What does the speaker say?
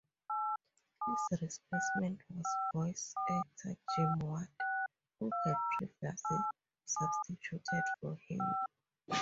His replacement was voice actor Jim Ward, who had previously substituted for him.